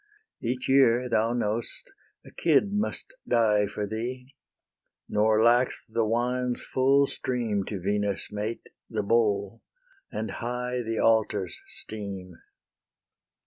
Each year, thou know'st, a kid must die For thee; nor lacks the wine's full stream To Venus' mate, the bowl; and high The altars steam.